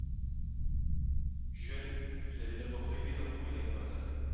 Jeune, il avait d'abord rêvé l'Orient et la croisade.